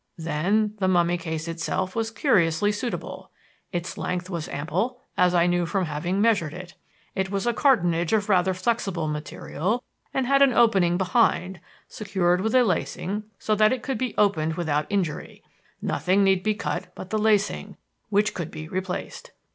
Then the mummy case itself was curiously suitable. Its length was ample, as I knew from having measured it. It was a cartonnage of rather flexible material and had an opening behind, secured with a lacing so that it could be opened without injury. Nothing need be cut but the lacing, which could be replaced.